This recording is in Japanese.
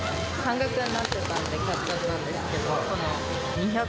半額になってたんで買っちゃったんですけど。